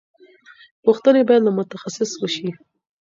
پوښتنې باید له متخصص وشي.